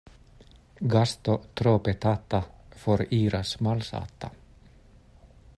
Gasto tro petata foriras malsata.